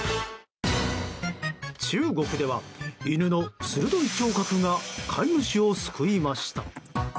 中国では犬の鋭い聴覚が飼い主を救いました。